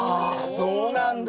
ああそうなんだ！